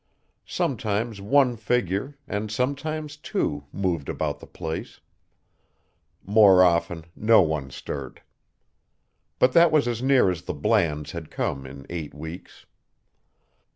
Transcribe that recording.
Sometimes one figure and sometimes two moved about the place; more often no one stirred. But that was as near as the Blands had come in eight weeks.